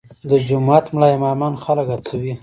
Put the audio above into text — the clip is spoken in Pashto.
د جومات ملا امامان خلک هڅوي؟